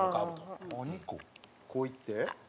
こういって？